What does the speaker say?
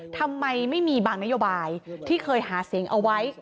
ทำไมไม่มีบางนโยบายที่เคยหาเสียงเอาไว้